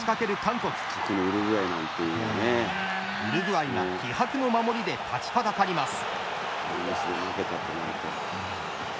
ウルグアイが気迫の守りで立ちはだかります。